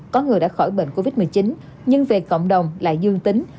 có người đã khỏi bệnh covid một mươi chín nhưng về cộng đồng lại dương tính